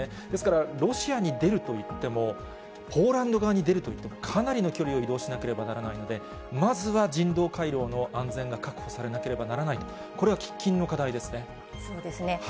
ですからロシアに出るといっても、ポーランド側に出るといっても、かなりの距離を移動しなければならないので、まずは人道回廊の安全が確保されなければならないと、そうですね。